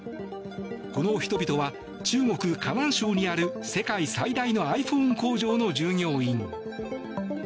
この人々は中国・河南省にある世界最大のｉＰｈｏｎｅ工場の従業員。